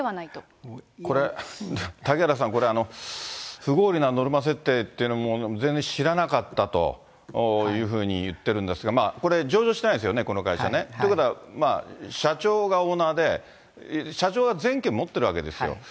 これ、嵩原さん、これ、不合理なノルマ設定っていうのも、全然知らなかったというふうに言ってるんですが、これ、上場してないんですよね、この会社ね。ということは、社長がオーナーで、社長が全権持ってるわけですよ。